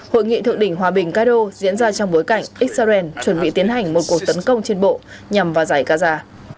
hội nghị thượng đỉnh hòa bình cairo diễn ra trong bối cảnh israel chuẩn bị tiến hành một cuộc tấn công trên bộ nhằm vào giải gaza